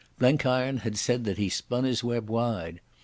Blenkiron had said that he spun his web wide.